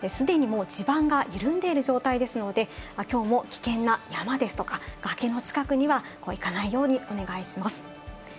すでに、もう地盤が緩んでいる状態ですので、きょうも危険な山ですとか、崖の近くには行かないようにお願いします。